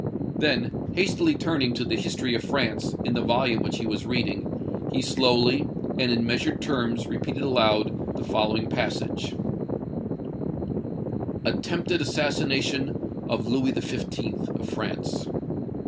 Then hastily turning to the "History of France," in the volume which he was reading, he slowly and in measured terms repeated aloud the following passage:— "ATTEMPTED ASSASSINATION OF LOUIS XV., OF FRANCE.